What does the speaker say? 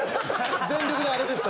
全力であれでした。